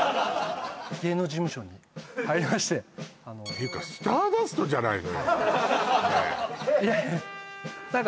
芸能事務所に入りましてていうかスターダストじゃないのよね